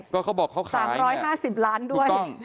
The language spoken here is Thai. ก็เขาบอกเขาขายสามร้อยห้าสิบล้านด้วย